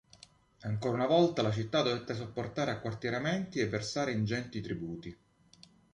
Ancora una volta la città dovette sopportare acquartieramenti e versare ingenti tributi.